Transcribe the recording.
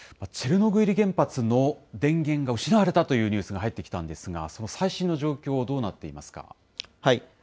チェルノブイリ原発の電源が失われたというニュースが入ってきたんですが、その最新の状況、どうなっていますか。